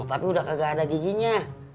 tapi udah kagak ada giginya